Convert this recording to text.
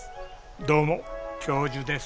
どうも教授です。